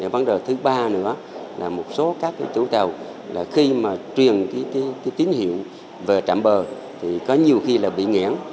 vấn đề thứ ba nữa là một số các chú tàu khi mà truyền cái tín hiệu về trạm bờ thì có nhiều khi là bị nghẽn